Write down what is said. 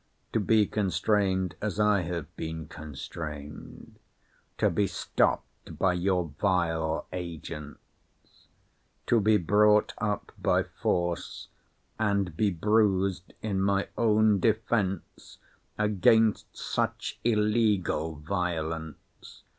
To be constrained as I have been constrained! to be stopt by your vile agents! to be brought up by force, and be bruised in my own defence against such illegal violence!